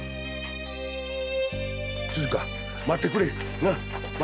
鈴華待ってくれ！